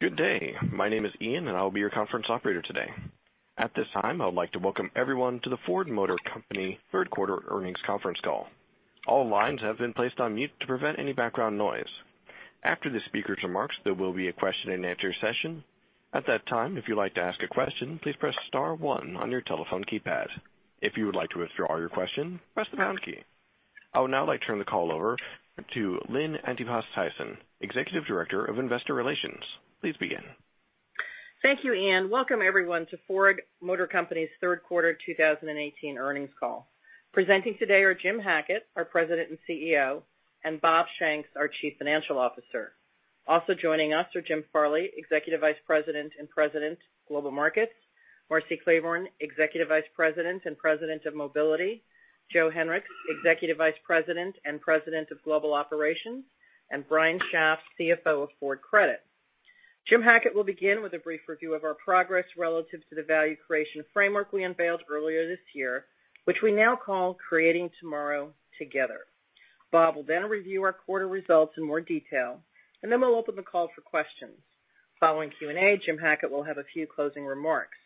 Good day. My name is Ian, and I will be your conference operator today. At this time, I would like to welcome everyone to the Ford Motor Company third quarter earnings conference call. All lines have been placed on mute to prevent any background noise. After the speakers' remarks, there will be a question-and-answer session. At that time, if you'd like to ask a question, please press star one on your telephone keypad. If you would like to withdraw your question, press the pound key. I would now like to turn the call over to Lynn Antipas Tyson, Executive Director of Investor Relations. Please begin. Thank you, Ian. Welcome, everyone, to Ford Motor Company's third quarter 2018 earnings call. Presenting today are Jim Hackett, our President and CEO, and Bob Shanks, our Chief Financial Officer. Also joining us are Jim Farley, Executive Vice President and President, Global Markets, Marcy Klevorn, Executive Vice President and President of Mobility, Joe Hinrichs, Executive Vice President and President of Global Operations, and Brian Schaaf, CFO of Ford Credit. Jim Hackett will begin with a brief review of our progress relative to the value creation framework we unveiled earlier this year, which we now call Creating Tomorrow Together. Bob will then review our quarter results in more detail. Then we'll open the call for questions. Following Q&A, Jim Hackett will have a few closing remarks.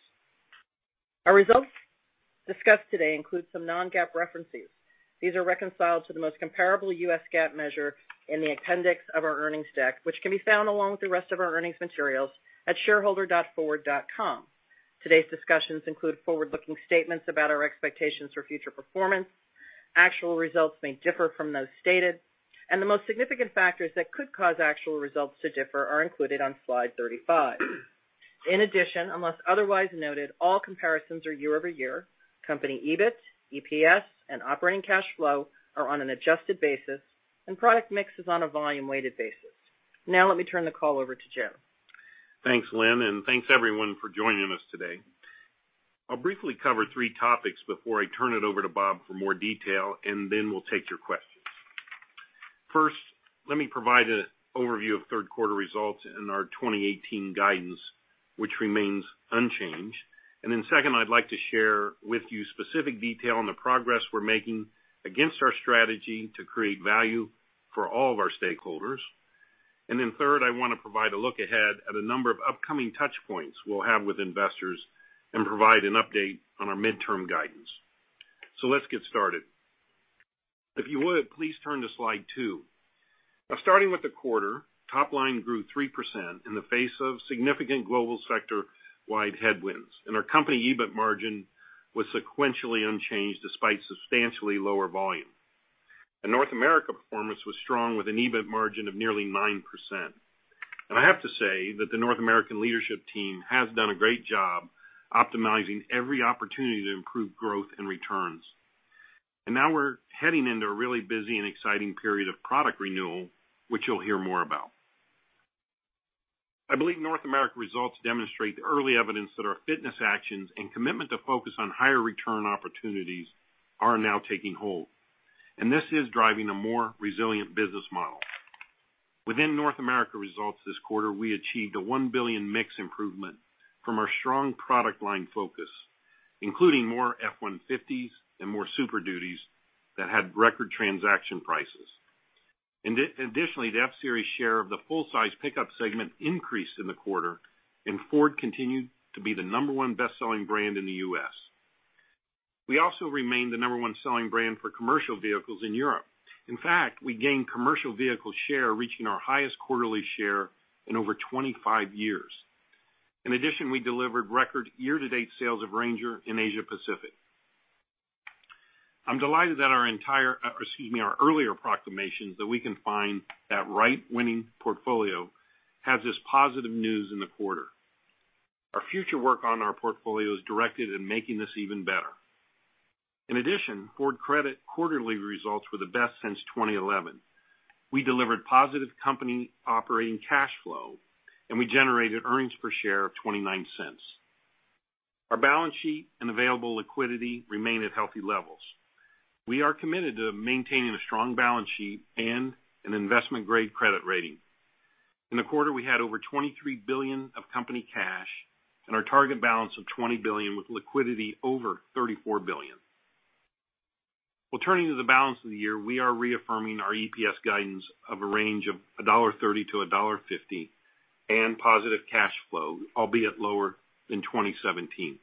Our results discussed today include some non-GAAP references. These are reconciled to the most comparable U.S. GAAP measure in the appendix of our earnings deck, which can be found along with the rest of our earnings materials at shareholder.ford.com. Today's discussions include forward-looking statements about our expectations for future performance. Actual results may differ from those stated, and the most significant factors that could cause actual results to differ are included on slide 35. In addition, unless otherwise noted, all comparisons are year-over-year. Company EBIT, EPS, and operating cash flow are on an adjusted basis. Product mix is on a volume-weighted basis. Let me turn the call over to Jim. Thanks, Lynn, and thanks, everyone, for joining us today. I'll briefly cover three topics before I turn it over to Bob for more detail. Then we'll take your questions. First, let me provide an overview of third quarter results and our 2018 guidance, which remains unchanged. Then second, I'd like to share with you specific detail on the progress we're making against our strategy to create value for all of our stakeholders. Then third, I want to provide a look ahead at a number of upcoming touchpoints we'll have with investors and provide an update on our midterm guidance. Let's get started. If you would, please turn to slide two. Starting with the quarter, top line grew 3% in the face of significant global sector-wide headwinds. Our company EBIT margin was sequentially unchanged despite substantially lower volume. North America performance was strong with an EBIT margin of nearly 9%. I have to say that the North American leadership team has done a great job optimizing every opportunity to improve growth and returns. Now we're heading into a really busy and exciting period of product renewal, which you'll hear more about. I believe North America results demonstrate the early evidence that our fitness actions and commitment to focus on higher return opportunities are now taking hold. This is driving a more resilient business model. Within North America results this quarter, we achieved a $1 billion mix improvement from our strong product line focus, including more F-150s and more Super Dutys that had record transaction prices. Additionally, the F-Series share of the full-size pickup segment increased in the quarter, and Ford continued to be the number one best-selling brand in the U.S. We also remain the number one selling brand for commercial vehicles in Europe. In fact, we gained commercial vehicle share, reaching our highest quarterly share in over 25 years. In addition, we delivered record year-to-date sales of Ranger in Asia Pacific. I'm delighted that our earlier proclamations that we can find that right winning portfolio has this positive news in the quarter. Our future work on our portfolio is directed in making this even better. In addition, Ford Credit quarterly results were the best since 2011. We delivered positive company operating cash flow, and we generated earnings per share of $0.29. Our balance sheet and available liquidity remain at healthy levels. We are committed to maintaining a strong balance sheet and an investment-grade credit rating. In the quarter, we had over $23 billion of company cash and our target balance of $20 billion with liquidity over $34 billion. Turning to the balance of the year, we are reaffirming our EPS guidance of a range of $1.30-$1.50 and positive cash flow, albeit lower than 2017.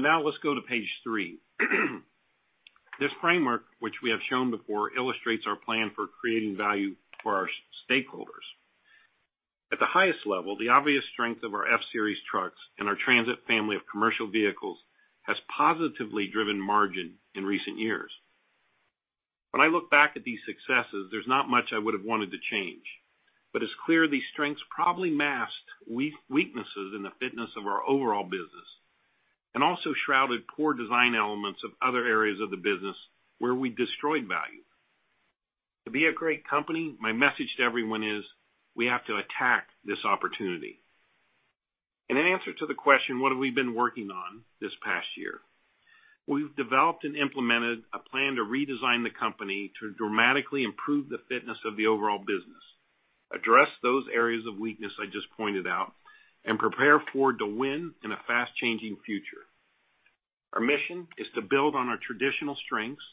Now let's go to page three. This framework, which we have shown before, illustrates our plan for creating value for our stakeholders. At the highest level, the obvious strength of our F-Series trucks and our Transit family of commercial vehicles has positively driven margin in recent years. When I look back at these successes, there's not much I would have wanted to change. But it's clear these strengths probably masked weaknesses in the fitness of our overall business and also shrouded poor design elements of other areas of the business where we destroyed value. To be a great company, my message to everyone is we have to attack this opportunity. In answer to the question, what have we been working on this past year? We've developed and implemented a plan to redesign the company to dramatically improve the fitness of the overall business, address those areas of weakness I just pointed out, and prepare Ford to win in a fast-changing future. Our mission is to build on our traditional strengths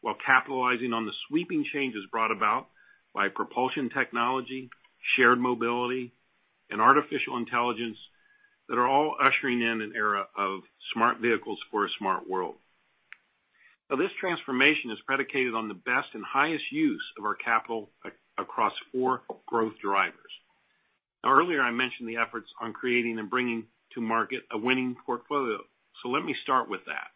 while capitalizing on the sweeping changes brought about by propulsion technology, shared mobility, and artificial intelligence that are all ushering in an era of smart vehicles for a smart world. This transformation is predicated on the best and highest use of our capital across four growth drivers. Earlier I mentioned the efforts on creating and bringing to market a winning portfolio. So let me start with that.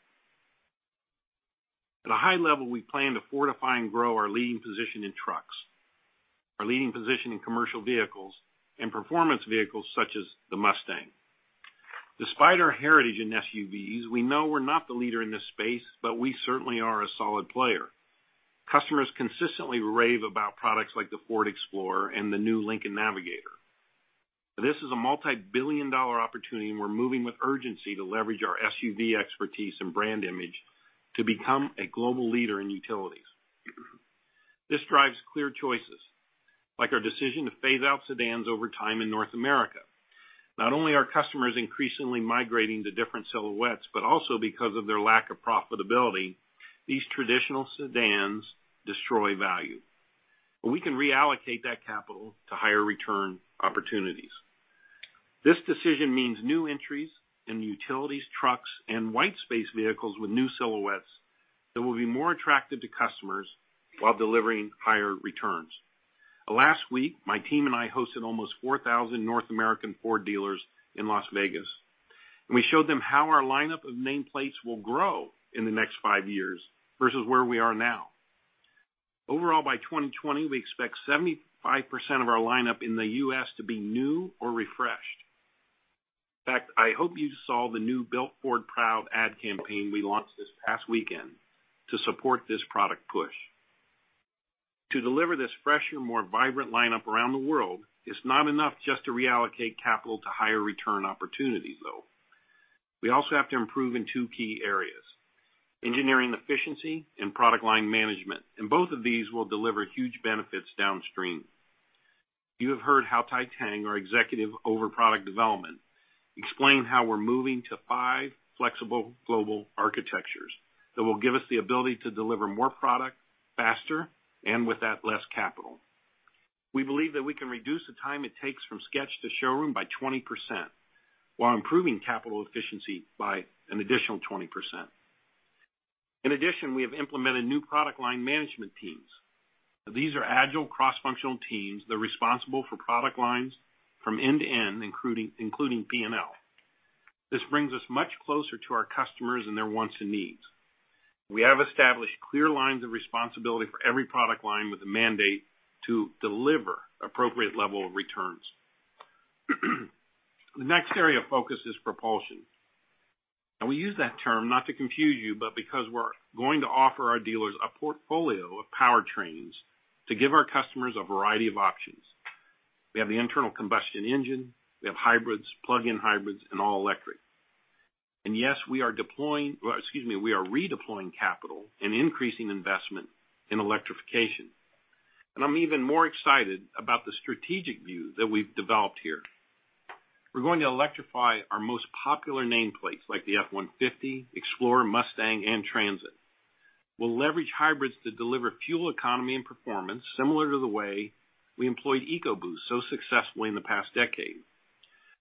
At a high level, we plan to fortify and grow our leading position in trucks, our leading position in commercial vehicles and performance vehicles such as the Mustang. Despite our heritage in SUVs, we know we're not the leader in this space, but we certainly are a solid player. Customers consistently rave about products like the Ford Explorer and the new Lincoln Navigator. This is a multi-billion dollar opportunity, and we're moving with urgency to leverage our SUV expertise and brand image to become a global leader in utilities. This drives clear choices, like our decision to phase out sedans over time in North America. Also because of their lack of profitability, these traditional sedans destroy value. We can reallocate that capital to higher return opportunities. This decision means new entries in utilities, trucks, and white space vehicles with new silhouettes that will be more attractive to customers while delivering higher returns. Last week, my team and I hosted almost 4,000 North American Ford dealers in Las Vegas. We showed them how our lineup of nameplates will grow in the next five years versus where we are now. Overall, by 2020, we expect 75% of our lineup in the U.S. to be new or refreshed. In fact, I hope you saw the new Built Ford Proud ad campaign we launched this past weekend to support this product push. To deliver this fresher, more vibrant lineup around the world, it's not enough just to reallocate capital to higher return opportunities, though. We also have to improve in two key areas, engineering efficiency and product line management. Both of these will deliver huge benefits downstream. You have heard how Hau Thai-Tang, our executive over product development, explain how we're moving to five flexible global architectures that will give us the ability to deliver more product faster. With that, less capital. We believe that we can reduce the time it takes from sketch to showroom by 20% while improving capital efficiency by an additional 20%. In addition, we have implemented new product line management teams. These are agile cross-functional teams that are responsible for product lines from end to end, including P&L. This brings us much closer to our customers and their wants and needs. We have established clear lines of responsibility for every product line with a mandate to deliver appropriate level of returns. The next area of focus is propulsion. We use that term not to confuse you, but because we're going to offer our dealers a portfolio of powertrains to give our customers a variety of options. We have the internal combustion engine, we have hybrids, plug-in hybrids. All electric. Yes, we are deploying, or excuse me, we are redeploying capital and increasing investment in electrification. I'm even more excited about the strategic view that we've developed here. We're going to electrify our most popular nameplates, like the F-150, Explorer, Mustang, and Transit. We'll leverage hybrids to deliver fuel economy and performance similar to the way we employed EcoBoost so successfully in the past decade.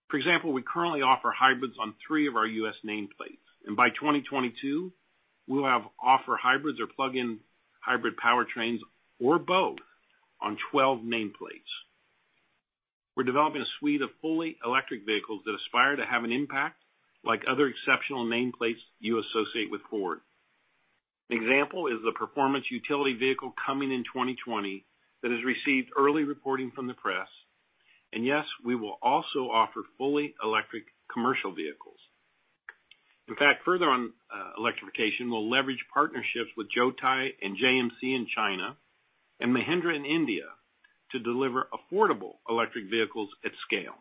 For example, we currently offer hybrids on three of our U.S. nameplates. By 2022, we will have offer hybrids or plug-in hybrid powertrains or both on 12 nameplates. We're developing a suite of fully electric vehicles that aspire to have an impact like other exceptional nameplates you associate with Ford. An example is the performance utility vehicle coming in 2020 that has received early reporting from the press. Yes, we will also offer fully electric commercial vehicles. In fact, further on electrification, we'll leverage partnerships with Zotye and JMC in China and Mahindra in India to deliver affordable electric vehicles at scale.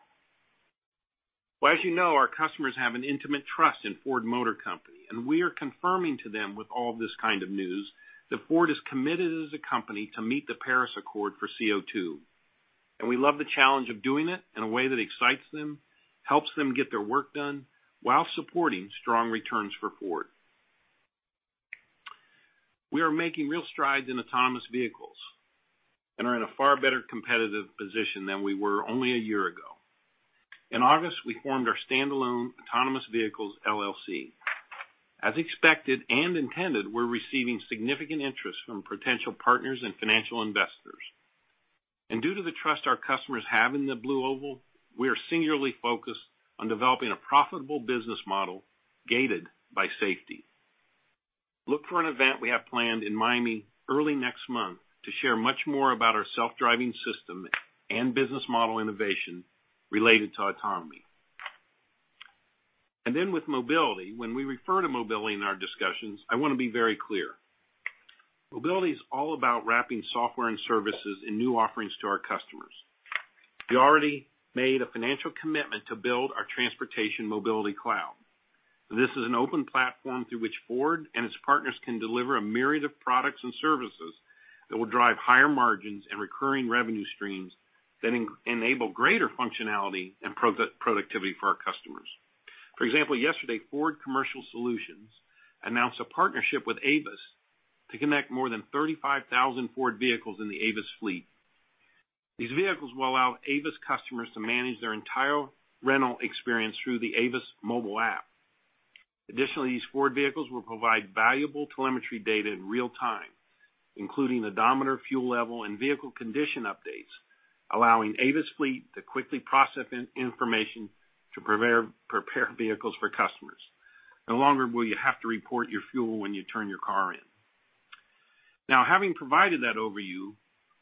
Well, as you know, our customers have an intimate trust in Ford Motor Company, and we are confirming to them with all this kind of news that Ford is committed as a company to meet the Paris Agreement for CO2. We love the challenge of doing it in a way that excites them, helps them get their work done while supporting strong returns for Ford. We are making real strides in autonomous vehicles and are in a far better competitive position than we were only a year ago. In August, we formed our standalone autonomous vehicles LLC. As expected and intended, we're receiving significant interest from potential partners and financial investors. Due to the trust our customers have in the blue oval, we are singularly focused on developing a profitable business model gated by safety. Look for an event we have planned in Miami early next month to share much more about our self-driving system and business model innovation related to autonomy. Then with mobility, when we refer to mobility in our discussions, I want to be very clear. Mobility is all about wrapping software and services in new offerings to our customers. We already made a financial commitment to build our transportation mobility cloud. This is an open platform through which Ford and its partners can deliver a myriad of products and services that will drive higher margins and recurring revenue streams that enable greater functionality and productivity for our customers. For example, yesterday, Ford Commercial Solutions announced a partnership with Avis to connect more than 35,000 Ford vehicles in the Avis fleet. These vehicles will allow Avis customers to manage their entire rental experience through the Avis mobile app. Additionally, these Ford vehicles will provide valuable telemetry data in real time, including odometer, fuel level and vehicle condition updates, allowing Avis Fleet to quickly process information to prepare vehicles for customers. No longer will you have to report your fuel when you turn your car in. Having provided that overview,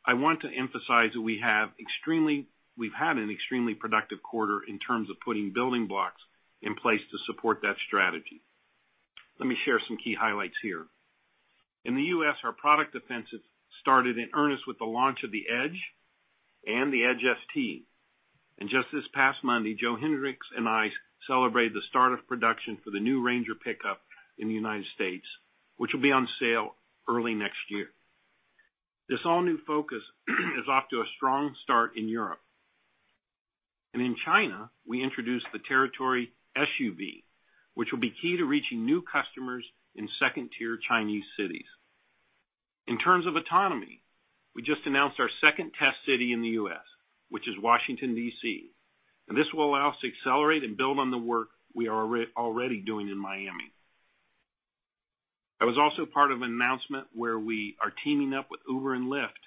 I want to emphasize that we've had an extremely productive quarter in terms of putting building blocks in place to support that strategy. Let me share some key highlights here. In the U.S., our product offensive started in earnest with the launch of the Edge and the Edge ST. Just this past Monday, Joe Hinrichs and I celebrated the start of production for the new Ranger pickup in the United States, which will be on sale early next year. This all-new Focus is off to a strong start in Europe. In China, we introduced the Territory SUV, which will be key to reaching new customers in second-tier Chinese cities. In terms of autonomy, we just announced our second test city in the U.S., which is Washington, D.C. This will allow us to accelerate and build on the work we are already doing in Miami. I was also part of an announcement where we are teaming up with Uber and Lyft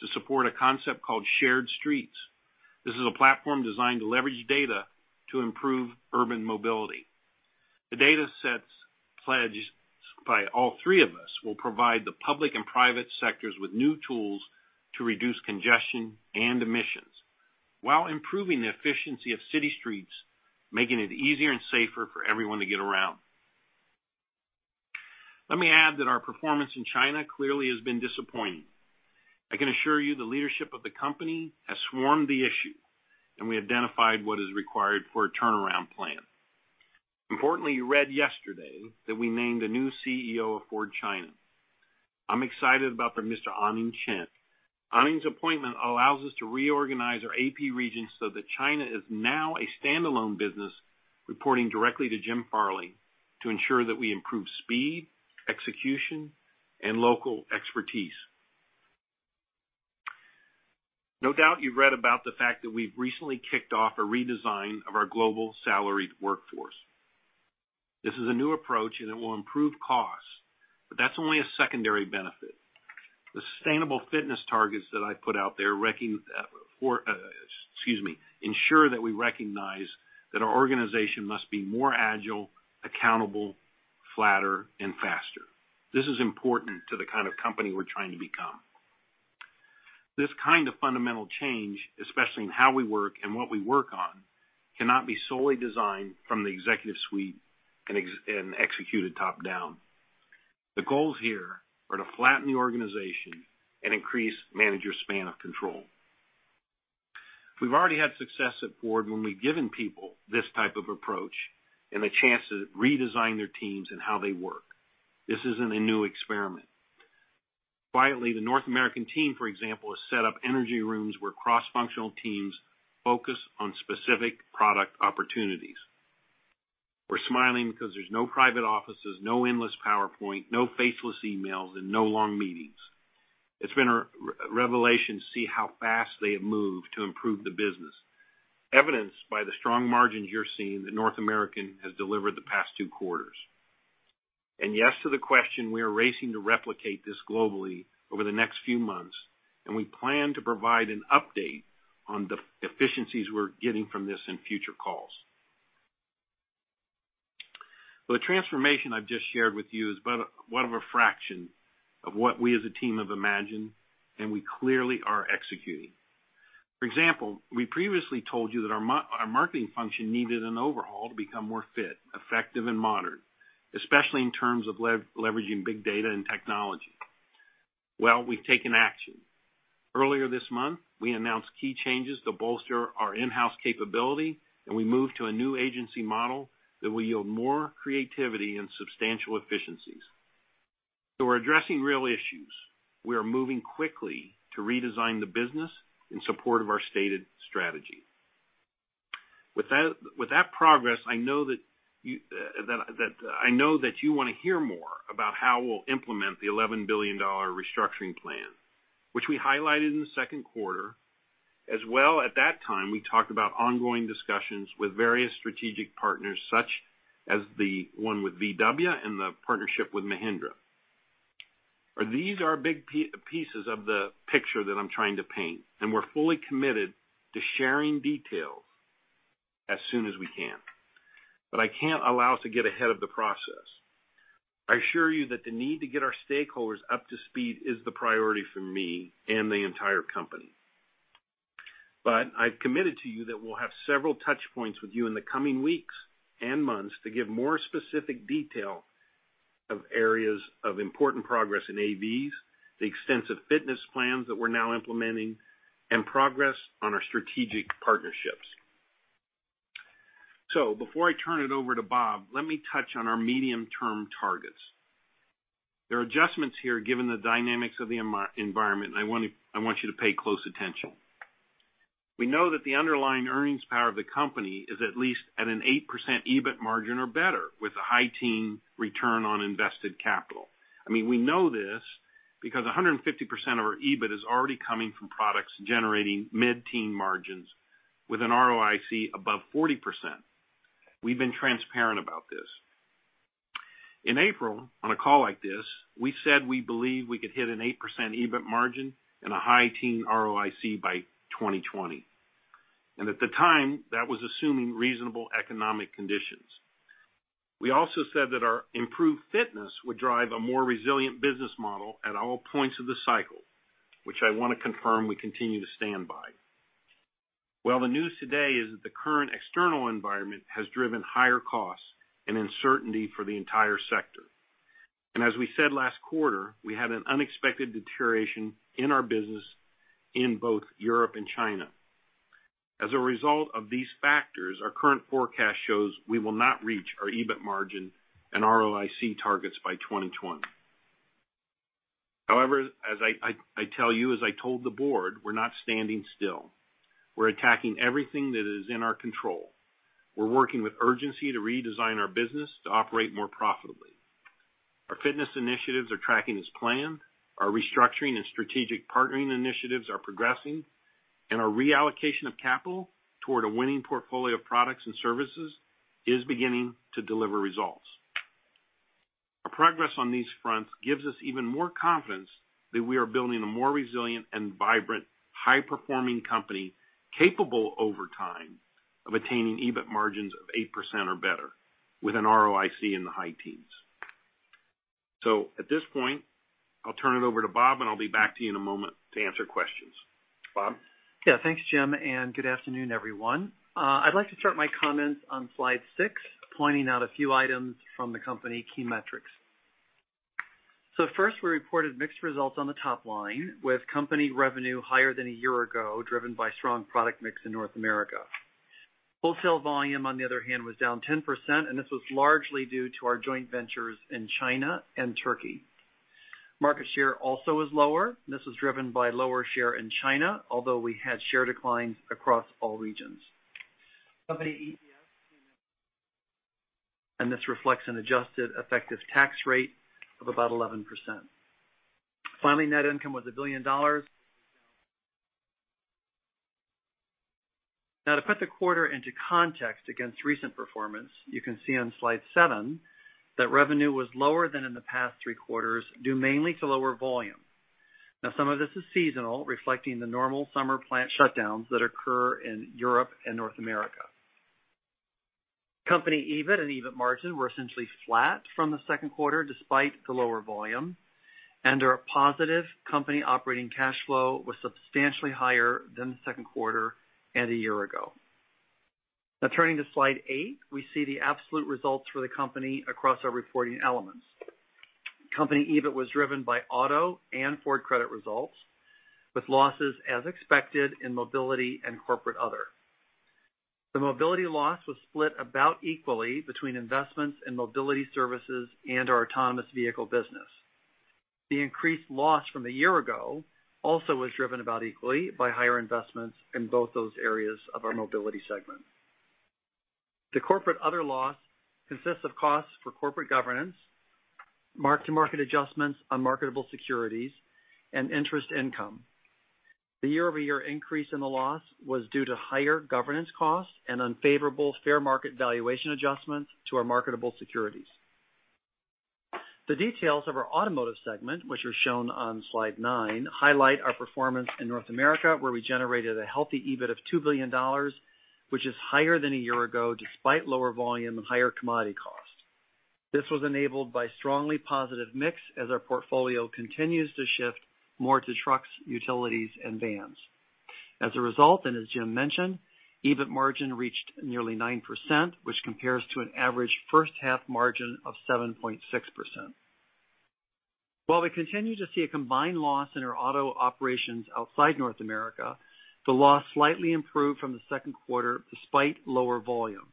to support a concept called SharedStreets. This is a platform designed to leverage data to improve urban mobility. The data sets pledged by all three of us will provide the public and private sectors with new tools to reduce congestion and emissions while improving the efficiency of city streets, making it easier and safer for everyone to get around. Let me add that our performance in China clearly has been disappointing. I can assure you the leadership of the company has swarmed the issue, and we identified what is required for a turnaround plan. Importantly, you read yesterday that we named a new CEO of Ford China. I'm excited about Mr. Anning Chen. Anning's appointment allows us to reorganize our AP region so that Ford China is now a standalone business, reporting directly to Jim Farley to ensure that we improve speed, execution, and local expertise. No doubt you've read about the fact that we've recently kicked off a redesign of our global salaried workforce. This is a new approach, it will improve costs, that's only a secondary benefit. The sustainable fitness targets that I put out there, ensure that we recognize that our organization must be more agile, accountable, flatter, and faster. This is important to the kind of company we're trying to become. This kind of fundamental change, especially in how we work and what we work on, cannot be solely designed from the executive suite and executed top-down. The goals here are to flatten the organization and increase manager span of control. We've already had success at Ford when we've given people this type of approach and the chance to redesign their teams and how they work. This isn't a new experiment. Quietly, the North American team, for example, has set up energy rooms where cross-functional teams focus on specific product opportunities. We're smiling because there's no private offices, no endless PowerPoint, no faceless emails, no long meetings. It's been a revelation to see how fast they have moved to improve the business, evidenced by the strong margins you're seeing that North American has delivered the past two quarters. Yes to the question, we are racing to replicate this globally over the next few months, we plan to provide an update on the efficiencies we're getting from this in future calls. The transformation I've just shared with you is but whatever fraction of what we as a team have imagined, we clearly are executing. For example, we previously told you that our marketing function needed an overhaul to become more fit, effective, and modern, especially in terms of leveraging big data and technology. We've taken action. Earlier this month, we announced key changes to bolster our in-house capability, we moved to a new agency model that will yield more creativity and substantial efficiencies. We're addressing real issues. We are moving quickly to redesign the business in support of our stated strategy. With that progress, I know that you want to hear more about how we'll implement the $11 billion restructuring plan, which we highlighted in the second quarter as well at that time, we talked about ongoing discussions with various strategic partners such as the one with VW and the partnership with Mahindra. These are big pieces of the picture that I'm trying to paint. We're fully committed to sharing details as soon as we can. I can't allow us to get ahead of the process. I assure you that the need to get our stakeholders up to speed is the priority for me and the entire company. I've committed to you that we'll have several touch points with you in the coming weeks and months to give more specific detail of areas of important progress in AVs, the extensive fitness plans that we're now implementing, and progress on our strategic partnerships. Before I turn it over to Bob, let me touch on our medium-term targets. There are adjustments here, given the dynamics of the environment. I want you to pay close attention. We know that the underlying earnings power of the company is at least at an 8% EBIT margin or better, with a high teen return on invested capital. We know this because 150% of our EBIT is already coming from products generating mid-teen margins with an ROIC above 40%. We've been transparent about this. In April, on a call like this, we said we believe we could hit an 8% EBIT margin and a high teen ROIC by 2020. At the time, that was assuming reasonable economic conditions. We also said that our improved fitness would drive a more resilient business model at all points of the cycle, which I want to confirm we continue to stand by. The news today is that the current external environment has driven higher costs and uncertainty for the entire sector. As we said last quarter, we had an unexpected deterioration in our business in both Europe and China. As a result of these factors, our current forecast shows we will not reach our EBIT margin and ROIC targets by 2020. As I tell you, as I told the board, we're not standing still. We're attacking everything that is in our control. We're working with urgency to redesign our business to operate more profitably. Our fitness initiatives are tracking as planned, our restructuring and strategic partnering initiatives are progressing. Our reallocation of capital toward a winning portfolio of products and services is beginning to deliver results. Our progress on these fronts gives us even more confidence that we are building a more resilient and vibrant, high-performing company, capable over time of attaining EBIT margins of 8% or better with an ROIC in the high teens. At this point, I'll turn it over to Bob. I'll be back to you in a moment to answer questions. Bob? Thanks, Jim, and good afternoon, everyone. I'd like to start my comments on slide six, pointing out a few items from the company key metrics. First, we reported mixed results on the top line, with company revenue higher than a year ago, driven by strong product mix in North America. Wholesale volume, on the other hand, was down 10%, and this was largely due to our joint ventures in China and Turkey. Market share also is lower, and this was driven by lower share in China, although we had share declines across all regions. Company EPS. This reflects an adjusted effective tax rate of about 11%. Finally, net income was $1 billion. To put the quarter into context against recent performance, you can see on slide seven that revenue was lower than in the past three quarters, due mainly to lower volume. Some of this is seasonal, reflecting the normal summer plant shutdowns that occur in Europe and North America. Company EBIT and EBIT margin were essentially flat from the second quarter, despite the lower volume, and our positive company operating cash flow was substantially higher than the second quarter and a year ago. Turning to slide eight, we see the absolute results for the company across our reporting elements. Company EBIT was driven by auto and Ford Credit results, with losses as expected in mobility and corporate other. The mobility loss was split about equally between investments in mobility services and our autonomous vehicle business. The increased loss from a year ago also was driven about equally by higher investments in both those areas of our mobility segment. The corporate other loss consists of costs for corporate governance, mark-to-market adjustments on marketable securities, and interest income. The year-over-year increase in the loss was due to higher governance costs and unfavorable fair market valuation adjustments to our marketable securities. The details of our automotive segment, which are shown on slide nine, highlight our performance in North America, where we generated a healthy EBIT of $2 billion, which is higher than a year ago, despite lower volume and higher commodity costs. This was enabled by strongly positive mix as our portfolio continues to shift more to trucks, utilities, and vans. As a result, and as Jim mentioned, EBIT margin reached nearly 9%, which compares to an average first half margin of 7.6%. While we continue to see a combined loss in our auto operations outside North America, the loss slightly improved from the second quarter despite lower volume.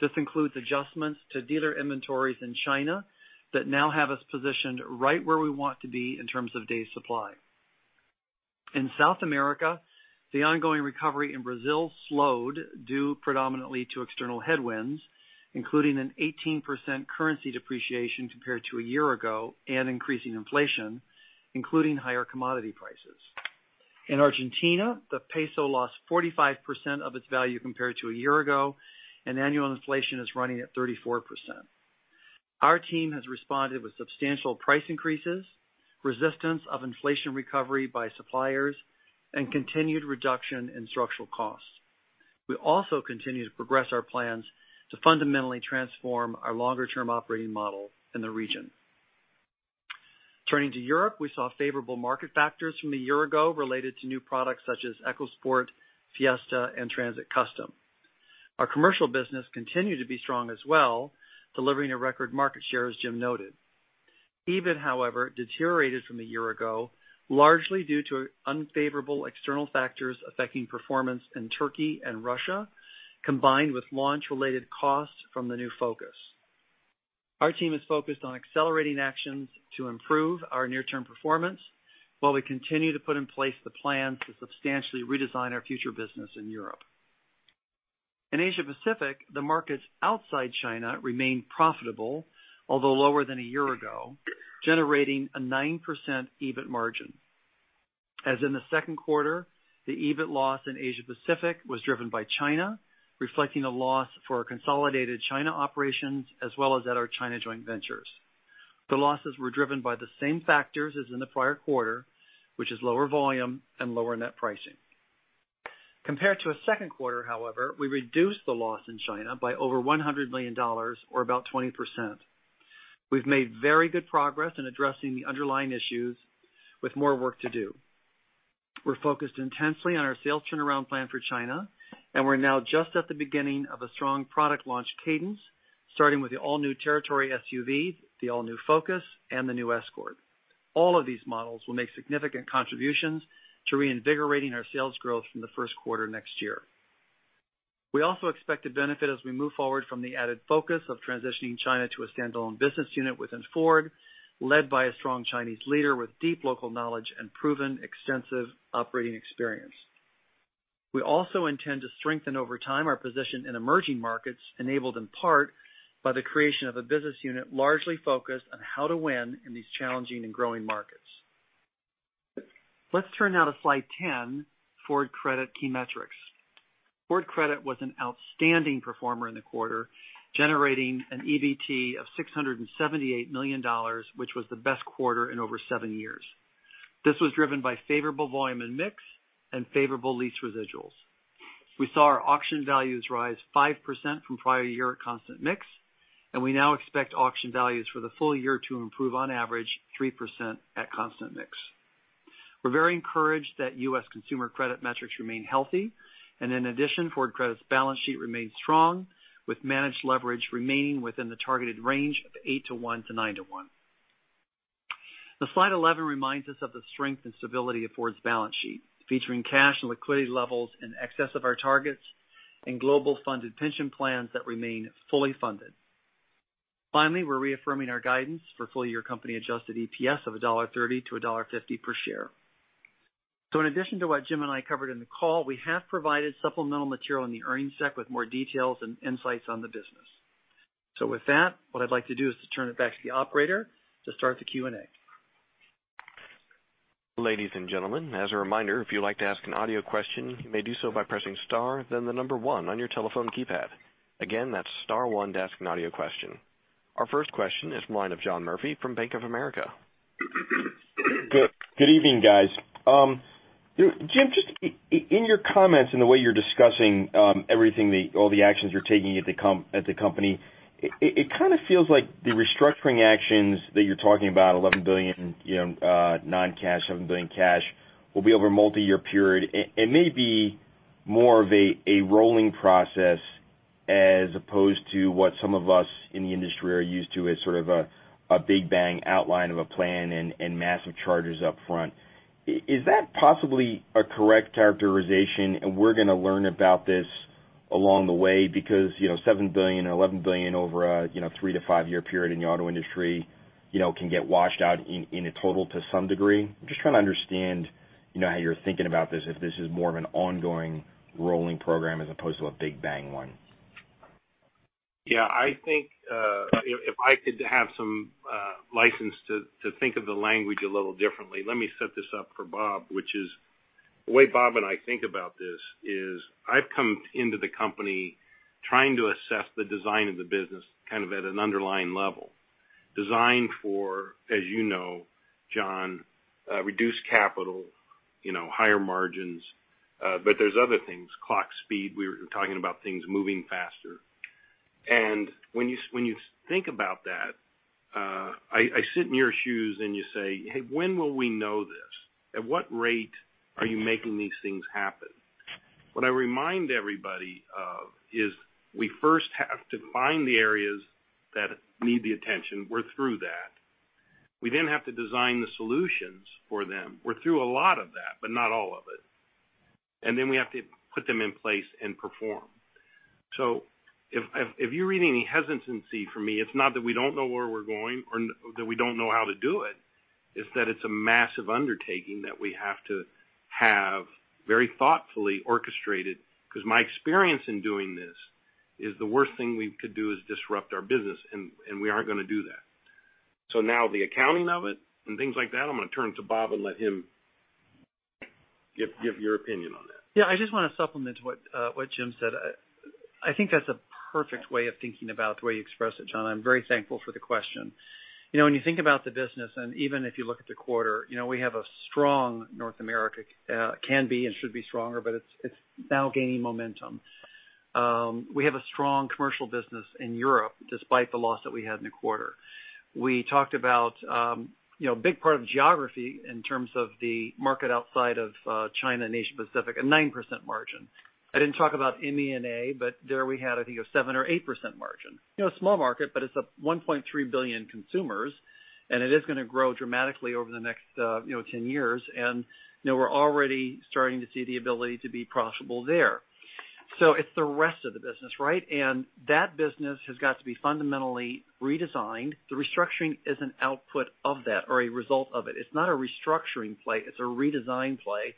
This includes adjustments to dealer inventories in China that now have us positioned right where we want to be in terms of days supply. In South America, the ongoing recovery in Brazil slowed, due predominantly to external headwinds, including an 18% currency depreciation compared to a year ago and increasing inflation, including higher commodity prices. In Argentina, the peso lost 45% of its value compared to a year ago, and annual inflation is running at 34%. Our team has responded with substantial price increases, resistance of inflation recovery by suppliers, and continued reduction in structural costs. We also continue to progress our plans to fundamentally transform our longer-term operating model in the region. Turning to Europe, we saw favorable market factors from a year ago related to new products such as EcoSport, Fiesta, and Transit Custom. Our commercial business continued to be strong as well, delivering a record market share, as Jim noted. EBIT, however, deteriorated from a year ago, largely due to unfavorable external factors affecting performance in Turkey and Russia, combined with launch-related costs from the new Focus. Our team is focused on accelerating actions to improve our near-term performance while we continue to put in place the plans to substantially redesign our future business in Europe. In Asia Pacific, the markets outside China remain profitable, although lower than a year ago, generating a 9% EBIT margin. As in the second quarter, the EBIT loss in Asia Pacific was driven by China, reflecting a loss for our consolidated China operations as well as at our China joint ventures. The losses were driven by the same factors as in the prior quarter, which is lower volume and lower net pricing. Compared to the second quarter, however, we reduced the loss in China by over $100 million or about 20%. We've made very good progress in addressing the underlying issues with more work to do. We're focused intensely on our sales turnaround plan for China, and we're now just at the beginning of a strong product launch cadence, starting with the all-new Territory SUV, the all-new Focus, and the new Escort. All of these models will make significant contributions to reinvigorating our sales growth from the first quarter next year. We also expect to benefit as we move forward from the added focus of transitioning China to a standalone business unit within Ford, led by a strong Chinese leader with deep local knowledge and proven extensive operating experience. We also intend to strengthen over time our position in emerging markets, enabled in part by the creation of a business unit largely focused on how to win in these challenging and growing markets. Let's turn now to slide 10, Ford Credit key metrics. Ford Credit was an outstanding performer in the quarter, generating an EBT of $678 million, which was the best quarter in over seven years. This was driven by favorable volume and mix and favorable lease residuals. We saw our auction values rise 5% from prior year at constant mix, and we now expect auction values for the full year to improve on average 3% at constant mix. We're very encouraged that U.S. consumer credit metrics remain healthy, and in addition, Ford Credit's balance sheet remains strong, with managed leverage remaining within the targeted range of eight to one to nine to one. The slide 11 reminds us of the strength and stability of Ford's balance sheet, featuring cash and liquidity levels in excess of our targets and global funded pension plans that remain fully funded. Finally, we're reaffirming our guidance for full-year company adjusted EPS of $1.30-$1.50 per share. In addition to what Jim and I covered in the call, we have provided supplemental material in the earnings deck with more details and insights on the business. With that, what I'd like to do is to turn it back to the operator to start the Q&A. Ladies and gentlemen, as a reminder, if you'd like to ask an audio question, you may do so by pressing star then the number one on your telephone keypad. Again, that's star one to ask an audio question. Our first question is from the line of John Murphy from Bank of America. Good evening, guys. Jim, just in your comments and the way you're discussing everything, all the actions you're taking at the company, it kind of feels like the restructuring actions that you're talking about, $11 billion non-cash, $7 billion cash, will be over a multi-year period. It may be more of a rolling process as opposed to what some of us in the industry are used to as sort of a big bang outline of a plan and massive charges up front. Is that possibly a correct characterization and we're going to learn about this along the way because $7 billion or $11 billion over a 3- to 5-year period in the auto industry can get washed out in a total to some degree? I'm just trying to understand how you're thinking about this, if this is more of an ongoing rolling program as opposed to a big bang one. Yeah. I think, if I could have some license to think of the language a little differently, let me set this up for Bob, which is the way Bob and I think about this is I've come into the company trying to assess the design of the business kind of at an underlying level. Designed for, as you know, John, reduced capital, higher margins, but there's other things, clock speed. We were talking about things moving faster. When you think about that, I sit in your shoes and you say, "Hey, when will we know this? At what rate are you making these things happen?" What I remind everybody of is we first have to find the areas that need the attention. We're through that. We then have to design the solutions for them. We're through a lot of that, but not all of it. Then we have to put them in place and perform. If you're reading any hesitancy from me, it's not that we don't know where we're going or that we don't know how to do it. It's that it's a massive undertaking that we have to have very thoughtfully orchestrated, because my experience in doing this is the worst thing we could do is disrupt our business, and we aren't going to do that. Now the accounting of it and things like that, I'm going to turn to Bob and let him give your opinion on that. Yeah, I just want to supplement what Jim said. I think that's a perfect way of thinking about the way you expressed it, John. I'm very thankful for the question. When you think about the business, and even if you look at the quarter, we have a strong North America. It can be and should be stronger, but it's now gaining momentum. We have a strong commercial business in Europe, despite the loss that we had in the quarter. We talked about a big part of geography in terms of the market outside of China and Asia Pacific, a 9% margin. I didn't talk about MEA, but there we had, I think, a 7% or 8% margin. A small market, but it's 1.3 billion consumers, and it is going to grow dramatically over the next 10 years. We're already starting to see the ability to be profitable there. It's the rest of the business, right? That business has got to be fundamentally redesigned. The restructuring is an output of that or a result of it. It's not a restructuring play, it's a redesign play.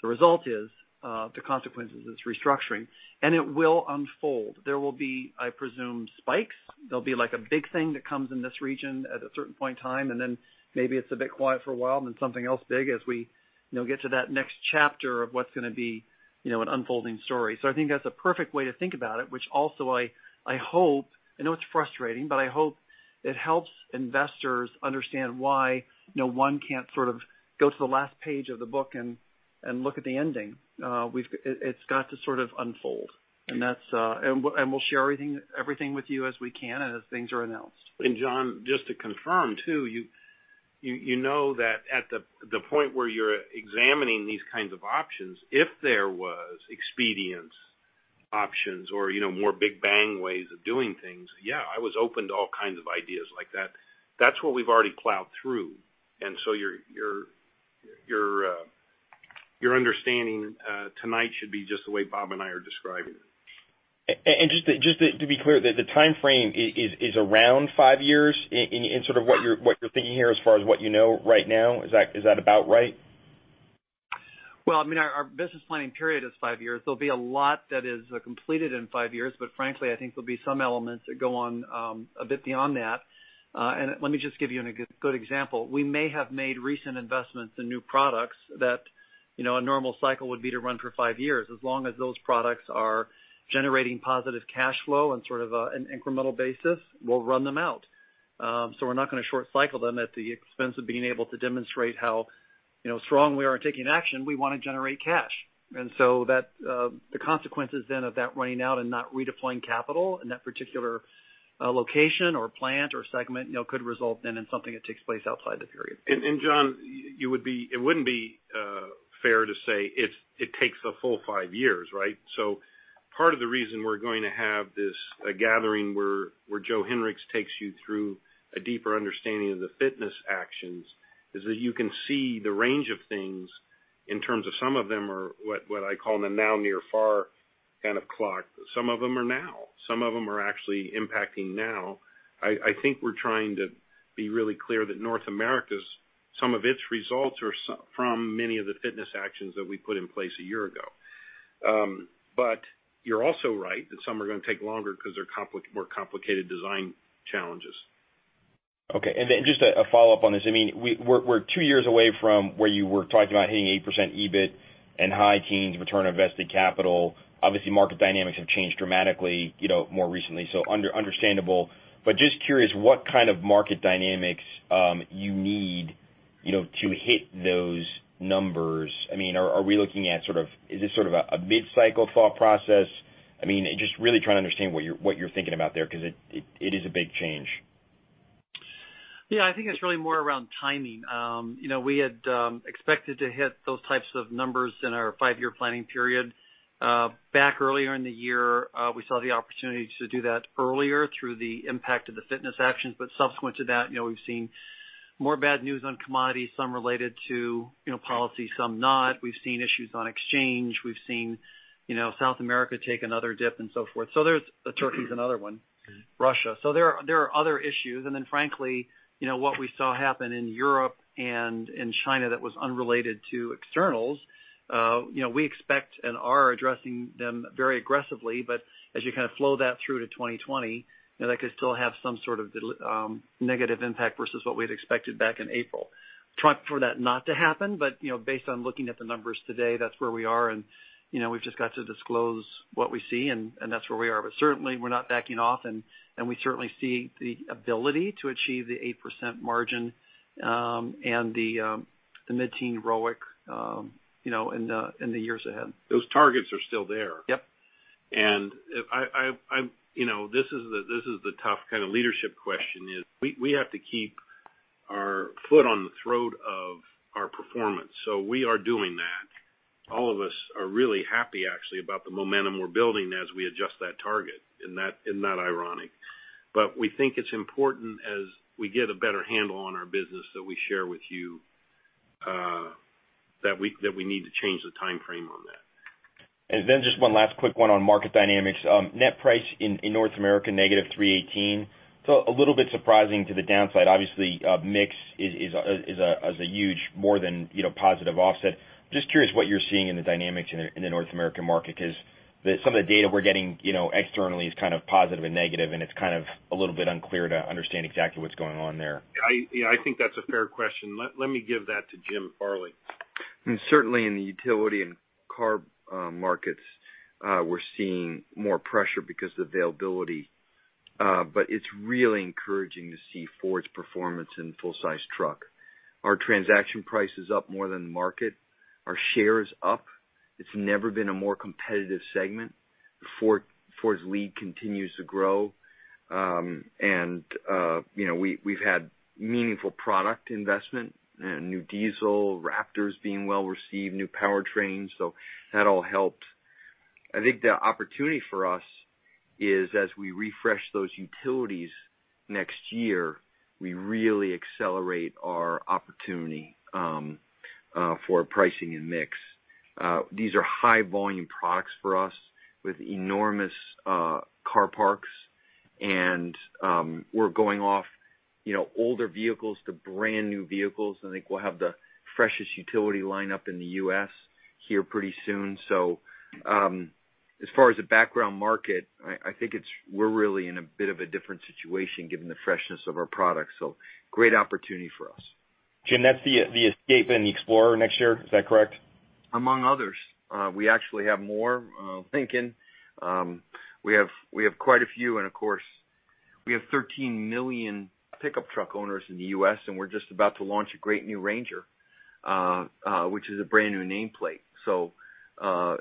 The result is, the consequence is this restructuring, and it will unfold. There will be, I presume, spikes. There'll be like a big thing that comes in this region at a certain point in time, and then maybe it's a bit quiet for a while, and then something else big as we get to that next chapter of what's going to be an unfolding story. I think that's a perfect way to think about it, which also I hope, I know it's frustrating, but I hope it helps investors understand why no one can't sort of go to the last page of the book and look at the ending. It's got to sort of unfold. We'll share everything with you as we can and as things are announced. John, just to confirm too, you know that at the point where you're examining these kinds of options, if there was expedient options or more big bang ways of doing things, yeah, I was open to all kinds of ideas like that. That's what we've already plowed through. Your understanding tonight should be just the way Bob and I are describing it. Just to be clear, the timeframe is around five years in sort of what you're thinking here as far as what you know right now? Is that about right? Well, I mean, our business planning period is five years. There'll be a lot that is completed in five years, but frankly, I think there'll be some elements that go on a bit beyond that. Let me just give you a good example. We may have made recent investments in new products that a normal cycle would be to run for five years. As long as those products are generating positive cash flow on sort of an incremental basis, we'll run them out. We're not going to short cycle them at the expense of being able to demonstrate how strong we are in taking action. We want to generate cash. The consequences then of that running out and not redeploying capital in that particular location or plant or segment could result then in something that takes place outside the period. John, it wouldn't be fair to say it takes a full five years, right? Part of the reason we're going to have this gathering where Joe Hinrichs takes you through a deeper understanding of the fitness actions is that you can see the range of things in terms of some of them are what I call the now near far kind of clock. Some of them are now. Some of them are actually impacting now. I think we're trying to be really clear that North America's, some of its results are from many of the fitness actions that we put in place a year ago. You're also right that some are going to take longer because they're more complicated design challenges. Okay. Just a follow-up on this. We're two years away from where you were talking about hitting 8% EBIT and high teens return on invested capital. Obviously, market dynamics have changed dramatically more recently, so understandable. Just curious what kind of market dynamics you need to hit those numbers. I mean, are we looking at sort of, is this sort of a mid-cycle thought process? I mean, just really trying to understand what you're thinking about there, because it is a big change. Yeah, I think it's really more around timing. We had expected to hit those types of numbers in our five-year planning period. Back earlier in the year, we saw the opportunity to do that earlier through the impact of the fitness actions. Subsequent to that, we've seen more bad news on commodities, some related to policy, some not. We've seen issues on exchange. We've seen South America take another dip and so forth. Turkey's another one. Russia. There are other issues. Frankly, what we saw happen in Europe and in China that was unrelated to externals, we expect and are addressing them very aggressively. As you kind of flow that through to 2020, that could still have some sort of negative impact versus what we'd expected back in April. Try for that not to happen, based on looking at the numbers today, that's where we are, we've just got to disclose what we see, and that's where we are. Certainly, we're not backing off, and we certainly see the ability to achieve the 8% margin, and the mid-teen ROIC, in the years ahead. Those targets are still there. Yep. This is the tough kind of leadership question is we have to keep our foot on the throat of our performance. We are doing that. All of us are really happy actually about the momentum we're building as we adjust that target. Isn't that ironic? We think it's important as we get a better handle on our business that we share with you that we need to change the timeframe on that. Just one last quick one on market dynamics. Net price in North America, negative $318. A little bit surprising to the downside. Obviously, mix is a huge more than positive offset. Just curious what you're seeing in the dynamics in the North American market, because some of the data we're getting externally is kind of positive and negative, and it's kind of a little bit unclear to understand exactly what's going on there. Yeah, I think that's a fair question. Let me give that to Jim Farley. Certainly in the utility and car markets, we're seeing more pressure because the availability. But it's really encouraging to see Ford's performance in full-size truck. Our transaction price is up more than the market. Our share is up. It's never been a more competitive segment. Ford's lead continues to grow. We've had meaningful product investment, new diesel Raptors being well-received, new powertrains. That all helped. I think the opportunity for us is as we refresh those utilities next year, we really accelerate our opportunity for pricing and mix. These are high volume products for us with enormous car parks, and we're going off older vehicles to brand-new vehicles. I think we'll have the freshest utility lineup in the U.S. here pretty soon. As far as the background market, I think we're really in a bit of a different situation given the freshness of our products. Great opportunity for us. Jim, that's the Escape and the Explorer next year, is that correct? Among others. We actually have more. Lincoln. Of course, we have 13 million pickup truck owners in the U.S. We're just about to launch a great new Ranger, which is a brand-new nameplate.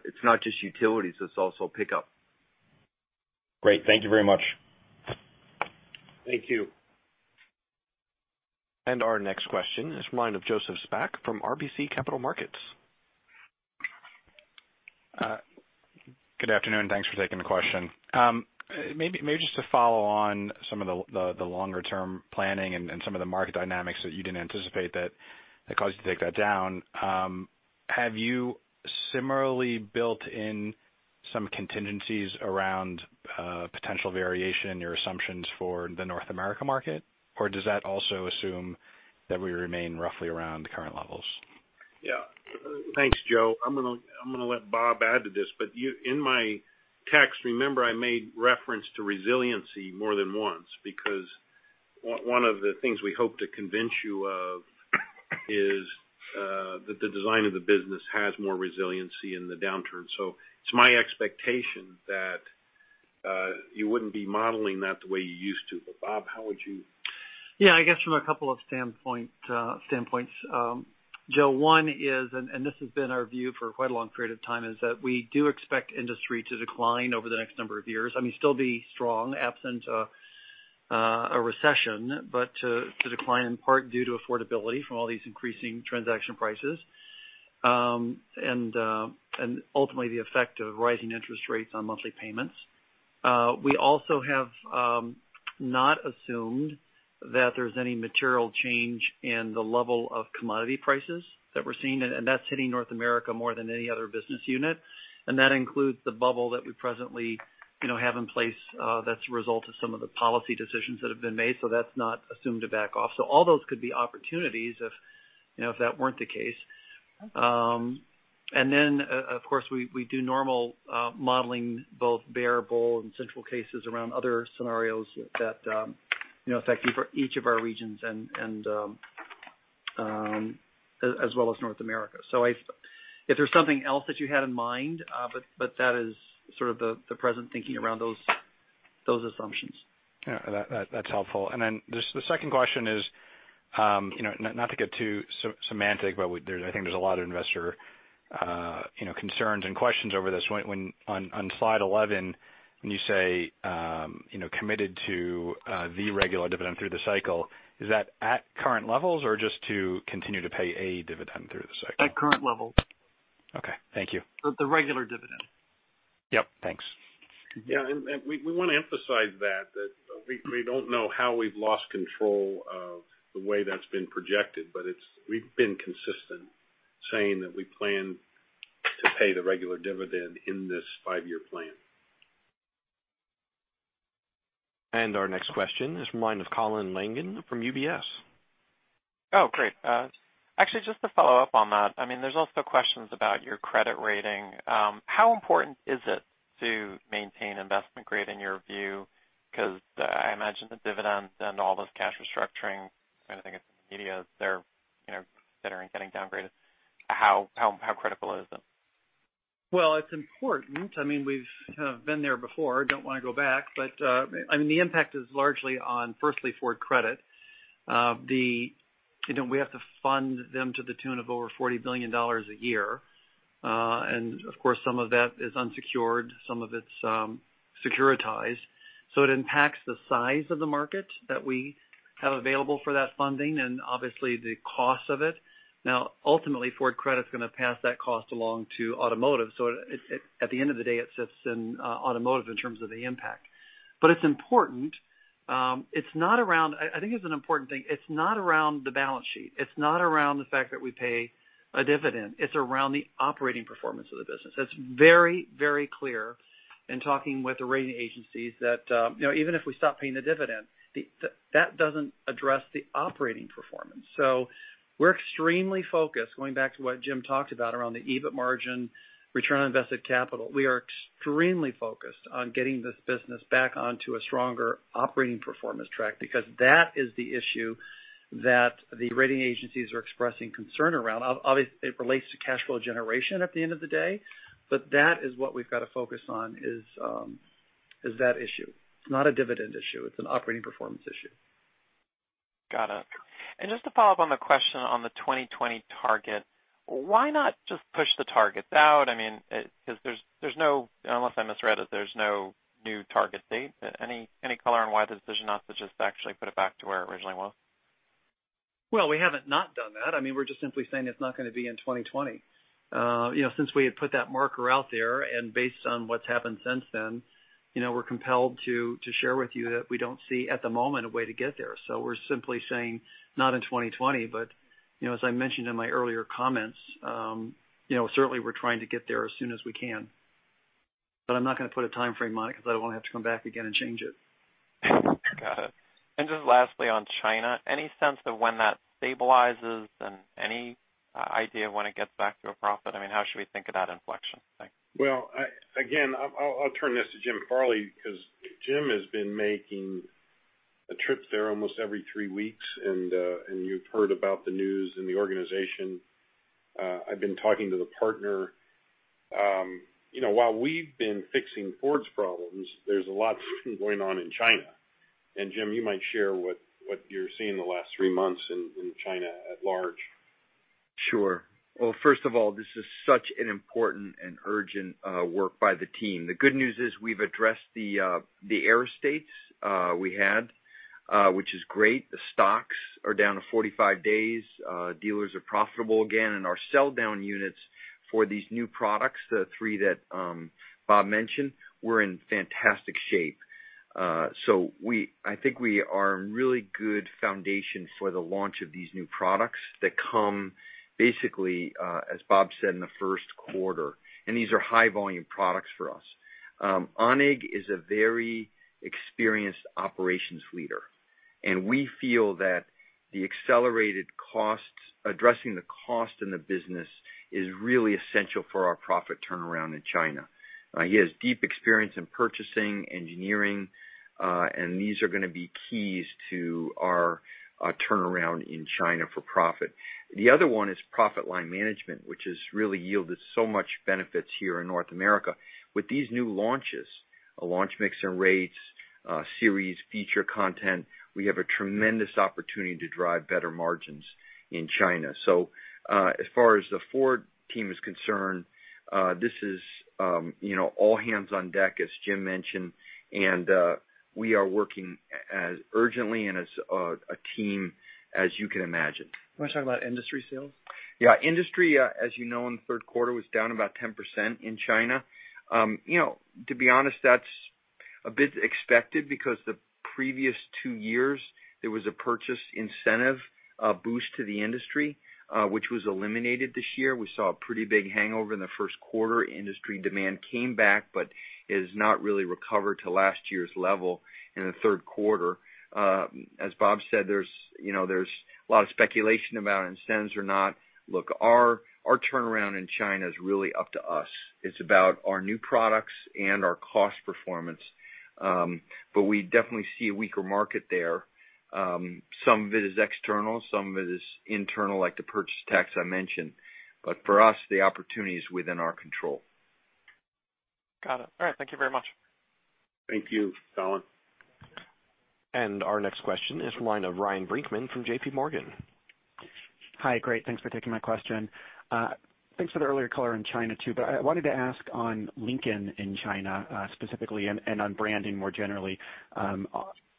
It's not just utilities, it's also pickup. Great. Thank you very much. Thank you. Our next question is from the line of Joseph Spak from RBC Capital Markets. Good afternoon. Thanks for taking the question. Maybe just to follow on some of the longer-term planning and some of the market dynamics that you didn't anticipate that caused you to take that down. Have you similarly built in some contingencies around potential variation in your assumptions for the North America market, or does that also assume that we remain roughly around the current levels? Yeah. Thanks, Joe. I'm going to let Bob add to this, but in my text, remember, I made reference to resiliency more than once because one of the things we hope to convince you of is that the design of the business has more resiliency in the downturn. It's my expectation that you wouldn't be modeling that the way you used to. Bob, how would you? Yeah, I guess from a couple of standpoints, Joe. One is, this has been our view for quite a long period of time, is that we do expect industry to decline over the next number of years. I mean, still be strong absent a recession, but to decline in part due to affordability from all these increasing transaction prices. Ultimately the effect of rising interest rates on monthly payments. We also have not assumed that there's any material change in the level of commodity prices that we're seeing, and that's hitting North America more than any other business unit. That includes the bubble that we presently have in place that's a result of some of the policy decisions that have been made. That's not assumed to back off. All those could be opportunities if that weren't the case. Of course, we do normal modeling, both bear, bull, and central cases around other scenarios that affect each of our regions as well as North America. If there's something else that you had in mind, but that is sort of the present thinking around those assumptions. Yeah, that's helpful. The second question is, not to get too semantic, but I think there's a lot of investor concerns and questions over this. On slide 11, when you say, "Committed to the regular dividend through the cycle," is that at current levels or just to continue to pay a dividend through the cycle? At current levels. Okay. Thank you. The regular dividend. Yep. Thanks. Yeah, we want to emphasize that we don't know how we've lost control of the way that's been projected, but we've been consistent saying that we plan to pay the regular dividend in this five-year plan. Our next question is from the line of Colin Langan from UBS. Oh, great. Actually, just to follow up on that, there's also questions about your credit rating. How important is it to maintain investment grade, in your view? I imagine the dividends and all this cash restructuring kind of thing in the media is they're considering getting downgraded. How critical is it? It's important. We've been there before, don't want to go back. The impact is largely on, firstly, Ford Credit. We have to fund them to the tune of over $40 billion a year. Of course, some of that is unsecured, some of it's securitized. It impacts the size of the market that we have available for that funding and obviously the cost of it. Now, ultimately, Ford Credit's going to pass that cost along to automotive. At the end of the day, it sits in automotive in terms of the impact. It's important. I think it's an important thing. It's not around the balance sheet. It's not around the fact that we pay a dividend. It's around the operating performance of the business. It's very clear in talking with the rating agencies that even if we stop paying the dividend, that doesn't address the operating performance. We're extremely focused, going back to what Jim talked about around the EBIT margin, return on invested capital. We are extremely focused on getting this business back onto a stronger operating performance track because that is the issue that the rating agencies are expressing concern around. Obviously, it relates to cash flow generation at the end of the day, that is what we've got to focus on, is that issue. It's not a dividend issue, it's an operating performance issue. Got it. Just to follow up on the question on the 2020 target, why not just push the targets out? I mean, unless I misread it, there's no new target date. Any color on why the decision not to just actually put it back to where it originally was? We haven't not done that. We're just simply saying it's not going to be in 2020. Since we had put that marker out there and based on what's happened since then, we're compelled to share with you that we don't see at the moment a way to get there. We're simply saying not in 2020, as I mentioned in my earlier comments, certainly we're trying to get there as soon as we can. I'm not going to put a timeframe on it because I don't want to have to come back again and change it. Got it. Just lastly on China, any sense of when that stabilizes and any idea of when it gets back to a profit? I mean, how should we think of that inflection? Thanks. Well, again, I'll turn this to Jim Farley because Jim has been making a trip there almost every three weeks, and you've heard about the news and the organization. I've been talking to the partner. While we've been fixing Ford's problems, there's a lot going on in China. Jim, you might share what you're seeing in the last three months in China at large. Sure. Well, first of all, this is such an important and urgent work by the team. The good news is we've addressed the error states we had, which is great. The stocks are down to 45 days. Dealers are profitable again, and our sell-down units for these new products, the three that Bob mentioned, we're in fantastic shape. I think we are in really good foundations for the launch of these new products that come basically, as Bob said, in the first quarter, and these are high-volume products for us. Anning is a very experienced operations leader, and we feel that the accelerated costs, addressing the cost in the business is really essential for our profit turnaround in China. He has deep experience in purchasing, engineering, and these are going to be keys to our turnaround in China for profit. The other one is profit line management, which has really yielded so much benefits here in North America. With these new launches, a launch mix and rates, series feature content, we have a tremendous opportunity to drive better margins in China. As far as the Ford team is concerned, this is all hands on deck, as Jim mentioned, we are working as urgently and as a team as you can imagine. You want to talk about industry sales? Yeah. Industry, as you know, in the third quarter was down about 10% in China. To be honest, that's a bit expected because the previous two years, there was a purchase incentive, a boost to the industry, which was eliminated this year. We saw a pretty big hangover in the first quarter. Industry demand came back but it has not really recovered to last year's level in the third quarter. As Bob said, there's a lot of speculation about incentives or not. Look, our turnaround in China is really up to us. It's about our new products and our cost performance. We definitely see a weaker market there. Some of it is external, some of it is internal, like the purchase tax I mentioned. For us, the opportunity is within our control. Got it. All right. Thank you very much. Thank you, Colin. Our next question is from the line of Ryan Brinkman from J.P. Morgan. Hi. Great. Thanks for taking my question. Thanks for the earlier color on China, too. I wanted to ask on Lincoln in China, specifically, and on branding more generally.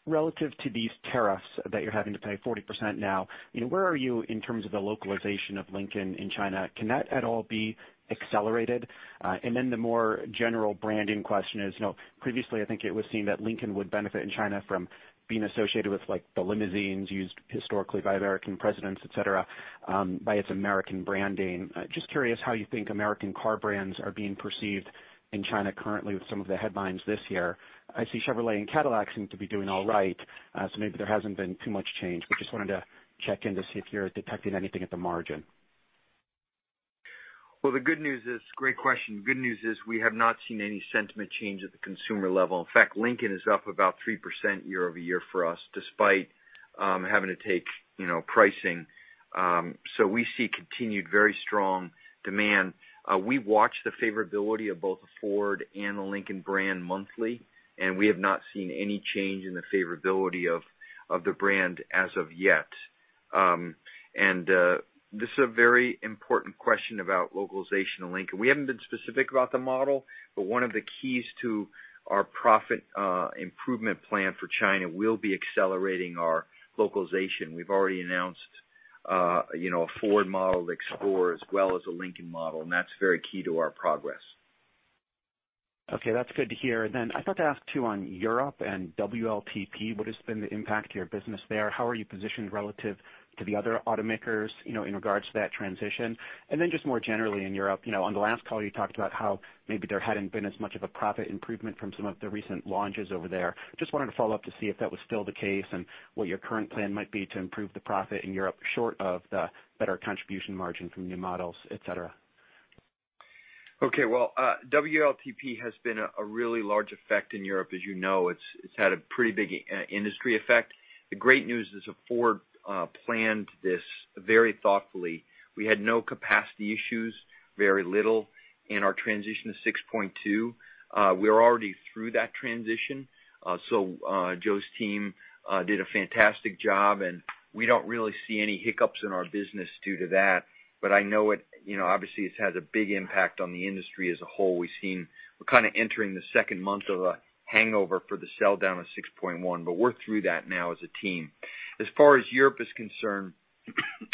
Relative to these tariffs that you're having to pay 40% now, where are you in terms of the localization of Lincoln in China? Can that at all be accelerated? The more general branding question is, previously, I think it was seen that Lincoln would benefit in China from being associated with the limousines used historically by American presidents, et cetera, by its American branding. Just curious how you think American car brands are being perceived in China currently with some of the headlines this year. I see Chevrolet and Cadillac seem to be doing all right, maybe there hasn't been too much change. Just wanted to check in to see if you're detecting anything at the margin. Well, great question. The good news is we have not seen any sentiment change at the consumer level. In fact, Lincoln is up about 3% year-over-year for us despite having to take pricing. We see continued very strong demand. We watch the favorability of both the Ford and the Lincoln brand monthly. We have not seen any change in the favorability of the brand as of yet. This is a very important question about localization of Lincoln. We haven't been specific about the model, one of the keys to our profit improvement plan for China will be accelerating our localization. We've already announced a Ford model, the Explorer, as well as a Lincoln model, that's very key to our progress. I thought to ask, too, on Europe and WLTP, what has been the impact to your business there? How are you positioned relative to the other automakers in regards to that transition? Just more generally in Europe, on the last call, you talked about how maybe there hadn't been as much of a profit improvement from some of the recent launches over there. Just wanted to follow up to see if that was still the case and what your current plan might be to improve the profit in Europe short of the better contribution margin from new models, et cetera. WLTP has been a really large effect in Europe, as you know. It's had a pretty big industry effect. The great news is that Ford planned this very thoughtfully. We had no capacity issues, very little in our transition to 6.2. We're already through that transition. Joe's team did a fantastic job, and we don't really see any hiccups in our business due to that. I know, obviously, it's had a big impact on the industry as a whole. We're entering the second month of a hangover for the sell down of 6.1, but we're through that now as a team. As far as Europe is concerned,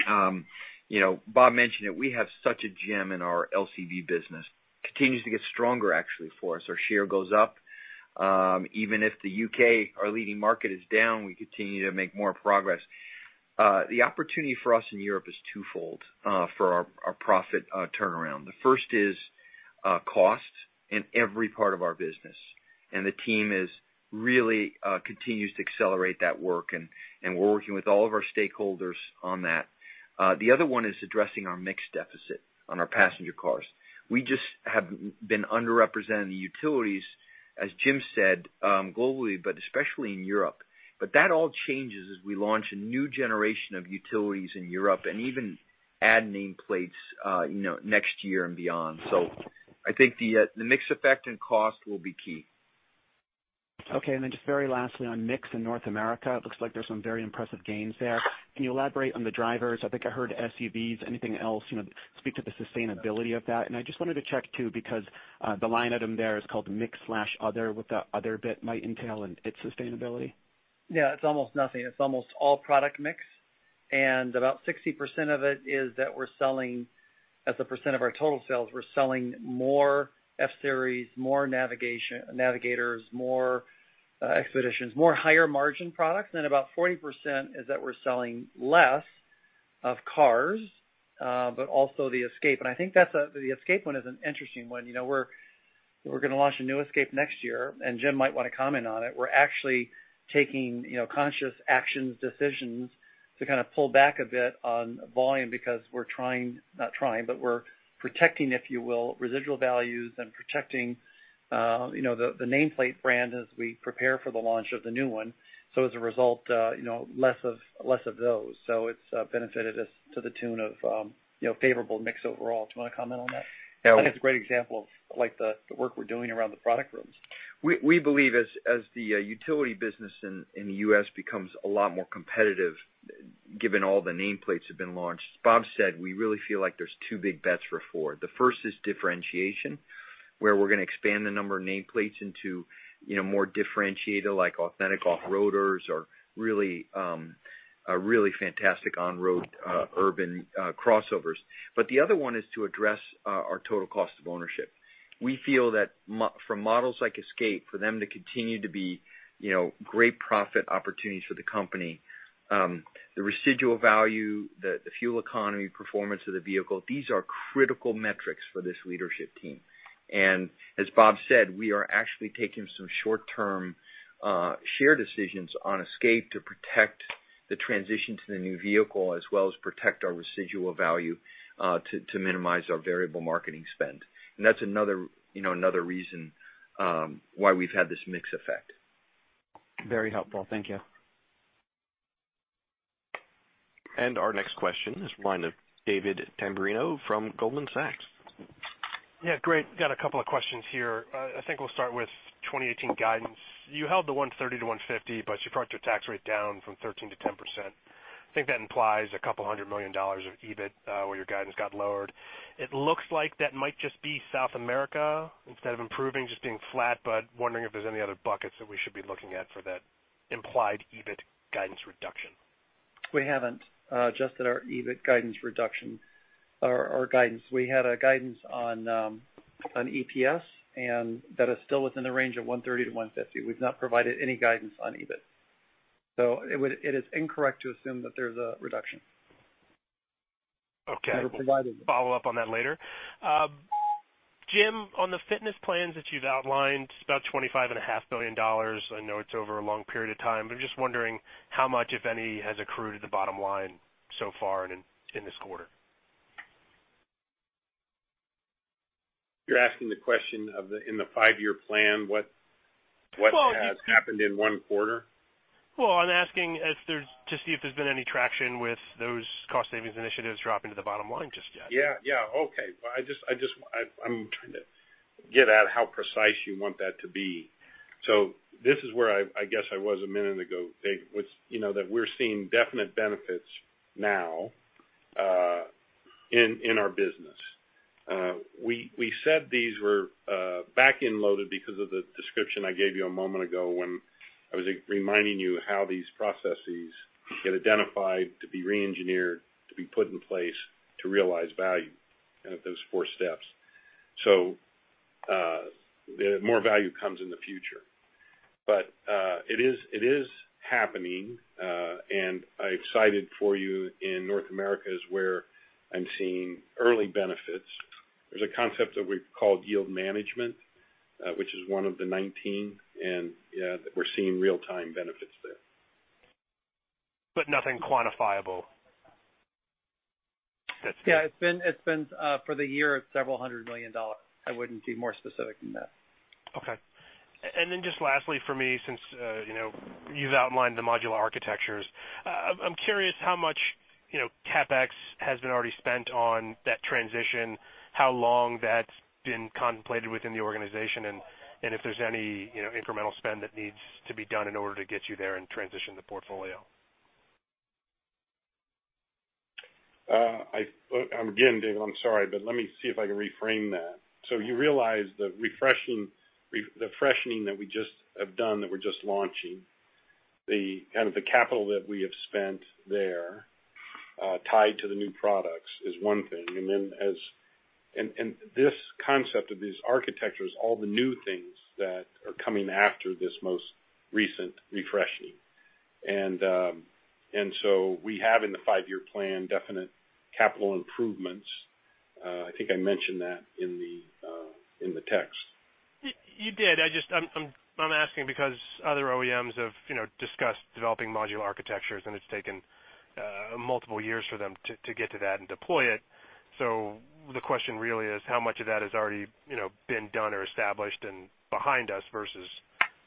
Bob mentioned it, we have such a gem in our LCV business. Continues to get stronger actually for us. Our share goes up. Even if the U.K., our leading market, is down, we continue to make more progress. The opportunity for us in Europe is twofold for our profit turnaround. The first is costs in every part of our business, the team really continues to accelerate that work, and we're working with all of our stakeholders on that. The other one is addressing our mix deficit on our passenger cars. We just have been underrepresented in the utilities, as Jim said, globally, but especially in Europe. That all changes as we launch a new generation of utilities in Europe and even add nameplates next year and beyond. I think the mix effect and cost will be key. Just very lastly on mix in North America, it looks like there's some very impressive gains there. Can you elaborate on the drivers? I think I heard SUVs. Anything else? Speak to the sustainability of that. I just wanted to check too, because, the line item there is called mix/other, what the other bit might entail and its sustainability. Yeah, it's almost nothing. It's almost all product mix. About 60% of it is that we're selling, as a percent of our total sales, we're selling more F-Series, more Navigators, more Expeditions, more higher margin products. About 40% is that we're selling less of cars, but also the Escape. I think the Escape one is an interesting one. We're going to launch a new Escape next year, and Jim might want to comment on it. We're actually taking conscious actions, decisions to kind of pull back a bit on volume because we're not trying, but we're protecting, if you will, residual values and protecting the nameplate brand as we prepare for the launch of the new one. As a result, less of those. It's benefited us to the tune of favorable mix overall. Do you want to comment on that? Yeah. I think it's a great example of the work we're doing around the product programs. Yeah, we believe as the utility business in the U.S. becomes a lot more competitive, given all the nameplates have been launched, as Bob said, we really feel like there's two big bets for Ford. The first is differentiation, where we're going to expand the number of nameplates into more differentiator, like authentic off-roaders or really fantastic on-road urban crossovers. The other one is to address our total cost of ownership. We feel that for models like Escape, for them to continue to be great profit opportunities for the company, the residual value, the fuel economy performance of the vehicle, these are critical metrics for this leadership team. As Bob said, we are actually taking some short-term share decisions on Escape to protect the transition to the new vehicle as well as protect our residual value to minimize our variable marketing spend. That's another reason why we've had this mix effect. Very helpful. Thank you. Our next question is one of David Tamberrino from Goldman Sachs. Yeah, great. Got a couple of questions here. I think we'll start with 2018 guidance. You held the 130-150, you brought your tax rate down from 13% to 10%. I think that implies $couple hundred million of EBIT, where your guidance got lowered. It looks like that might just be South America, instead of improving, just being flat, wondering if there's any other buckets that we should be looking at for that implied EBIT guidance reduction. We haven't adjusted our EBIT guidance reduction or our guidance. We had a guidance on EPS, and that is still within the range of $130-$150. We've not provided any guidance on EBIT. It is incorrect to assume that there's a reduction. Okay. We haven't provided one. Follow up on that later. Jim, on the fitness plans that you've outlined, it's about $25.5 billion. I know it's over a long period of time, but I'm just wondering how much, if any, has accrued to the bottom line so far and in this quarter. You're asking the question of in the five-year plan, what has happened in one quarter? Well, I'm asking to see if there's been any traction with those cost savings initiatives dropping to the bottom line just yet. Yeah, okay. I'm trying to get at how precise you want that to be. This is where I guess I was a minute ago, David, that we're seeing definite benefits now in our business. We said these were back-end loaded because of the description I gave you a moment ago when I was reminding you how these processes get identified to be re-engineered, to be put in place to realize value. At those four steps. More value comes in the future. It is happening, and I excited for you in North America is where I'm seeing early benefits. There's a concept that we call yield management, which is one of the 19, and yeah, we're seeing real-time benefits there. Nothing quantifiable. Yeah. For the year, it's $ several hundred million. I wouldn't be more specific than that. Okay. Just lastly for me, since you've outlined the modular architectures, I'm curious how much CapEx has been already spent on that transition, how long that's been contemplated within the organization, and if there's any incremental spend that needs to be done in order to get you there and transition the portfolio. Again, David, I'm sorry, let me see if I can reframe that. You realize the refreshening that we just have done, that we're just launching, the capital that we have spent there, tied to the new products is one thing. This concept of these architectures, all the new things that are coming after this most recent refreshening. We have in the five-year plan definite capital improvements. I think I mentioned that in the text. You did. I'm asking because other OEMs have discussed developing modular architectures and it's taken multiple years for them to get to that and deploy it. The question really is how much of that has already been done or established and behind us versus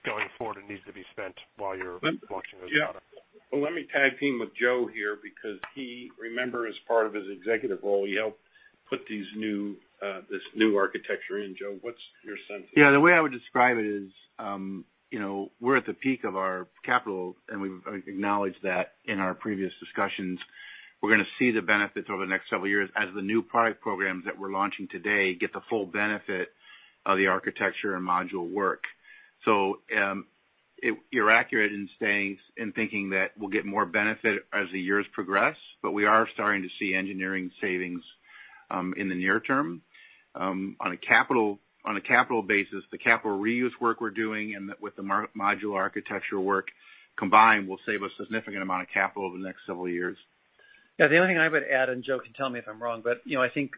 going forward and needs to be spent while you're launching those products. Yeah. Well, let me tag team with Joe here because he, remember, as part of his executive role, he helped put this new architecture in. Joe, what's your sense? The way I would describe it is we're at the peak of our capital, and we've acknowledged that in our previous discussions. We're going to see the benefits over the next several years as the new product programs that we're launching today get the full benefit of the architecture and module work. You're accurate in thinking that we'll get more benefit as the years progress, but we are starting to see engineering savings in the near term. On a capital basis, the capital reuse work we're doing and with the modular architecture work combined will save us a significant amount of capital over the next several years. The only thing I would add, Joe can tell me if I'm wrong, but I think,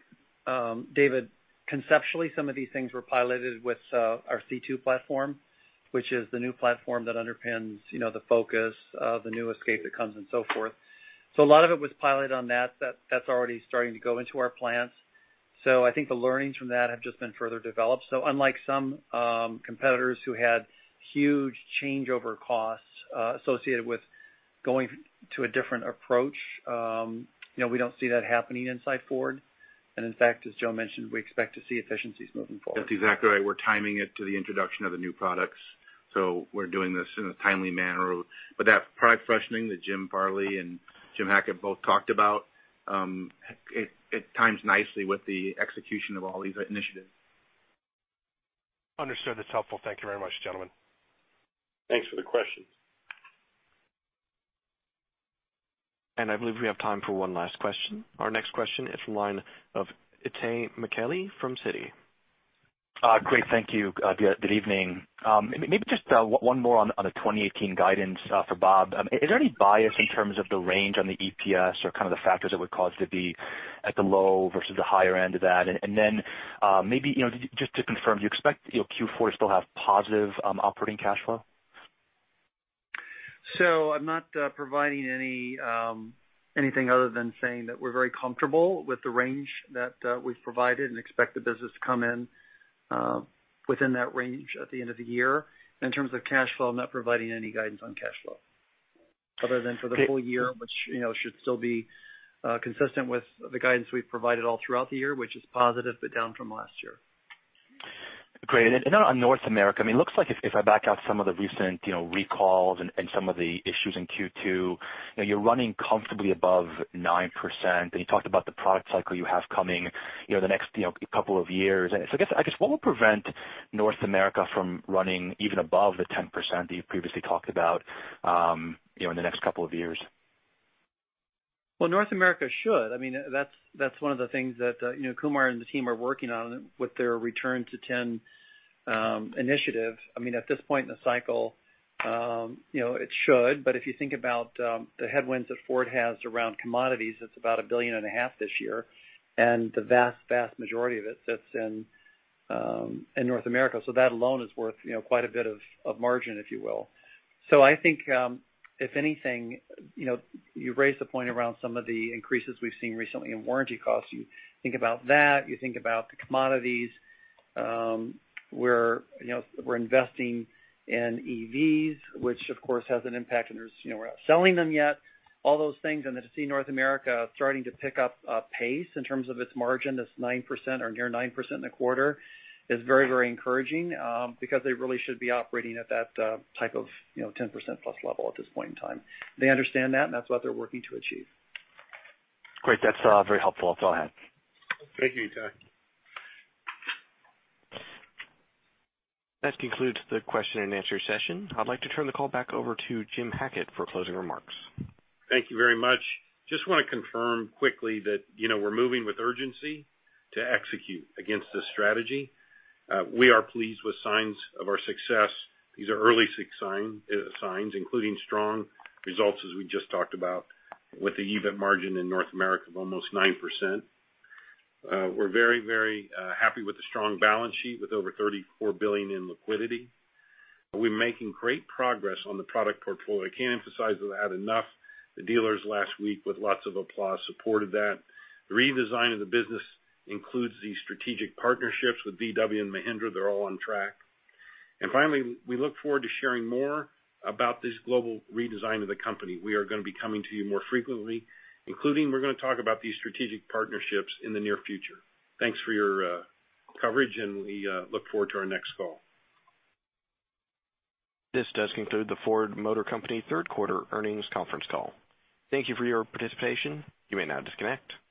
David, conceptually, some of these things were piloted with our C2 platform, which is the new platform that underpins the Focus of the new Escape that comes and so forth. A lot of it was piloted on that. That's already starting to go into our plans. I think the learnings from that have just been further developed. Unlike some competitors who had huge changeover costs associated with going to a different approach, we don't see that happening inside Ford. In fact, as Joe mentioned, we expect to see efficiencies moving forward. That's exactly right. We're timing it to the introduction of the new products. We're doing this in a timely manner. That product freshening that Jim Farley and Jim Hackett both talked about, it times nicely with the execution of all these initiatives. Understood. That's helpful. Thank you very much, gentlemen. Thanks for the question. I believe we have time for one last question. Our next question is from the line of Itay Michaeli from Citi. Great, thank you. Good evening. Maybe just one more on the 2018 guidance for Bob. Is there any bias in terms of the range on the EPS or kind of the factors that would cause it to be at the low versus the higher end of that? Then maybe just to confirm, do you expect Q4 to still have positive operating cash flow? I'm not providing anything other than saying that we're very comfortable with the range that we've provided and expect the business to come in within that range at the end of the year. In terms of cash flow, I'm not providing any guidance on cash flow other than for the full year, which should still be consistent with the guidance we've provided all throughout the year, which is positive but down from last year. Great. On North America, it looks like if I back out some of the recent recalls and some of the issues in Q2, you're running comfortably above 9%. You talked about the product cycle you have coming the next couple of years. I guess what would prevent North America from running even above the 10% that you previously talked about in the next couple of years? Well, North America should. That's one of the things that Kumar and the team are working on with their Return to 10 initiative. At this point in the cycle, it should. If you think about the headwinds that Ford has around commodities, it's about a billion and a half this year, and the vast majority of it sits in North America. That alone is worth quite a bit of margin, if you will. I think, if anything, you raised a point around some of the increases we've seen recently in warranty costs. You think about that, you think about the commodities. We're investing in EVs, which of course has an impact and we're not selling them yet. All those things to see North America starting to pick up pace in terms of its margin, this 9% or near 9% in the quarter is very encouraging, because they really should be operating at that type of 10% plus level at this point in time. They understand that's what they're working to achieve. Great. That's very helpful. That's all I had. Thank you, Itay. That concludes the question and answer session. I'd like to turn the call back over to Jim Hackett for closing remarks. Thank you very much. Just want to confirm quickly that we're moving with urgency to execute against this strategy. We are pleased with signs of our success. These are early signs, including strong results, as we just talked about, with the EBIT margin in North America of almost 9%. We're very happy with the strong balance sheet with over $34 billion in liquidity. We're making great progress on the product portfolio. I can't emphasize that enough. The dealers last week with lots of applause supported that. The redesign of the business includes these strategic partnerships with Volkswagen and Mahindra. They're all on track. Finally, we look forward to sharing more about this global redesign of the company. We are going to be coming to you more frequently, including we're going to talk about these strategic partnerships in the near future. Thanks for your coverage. We look forward to our next call. This does conclude the Ford Motor Company third quarter earnings conference call. Thank you for your participation. You may now disconnect.